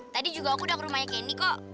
tadi juga aku nangkuk rumahnya candy kok